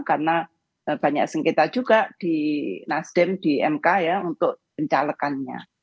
karena banyak sengketa juga di nasdem di mk ya untuk menjalakannya